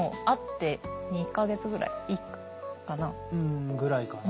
んぐらいかな。